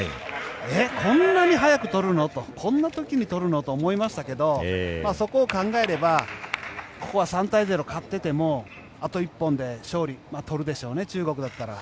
こんなに早く取るの？とこんな時に取るの？と思いましたけどそこを考えればここは３対０で勝っていてもあと１本で勝利を取るでしょうね中国だったら。